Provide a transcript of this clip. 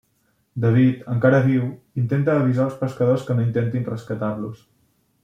David, encara viu, intenta avisar als pescadors que no intentin rescatar-los.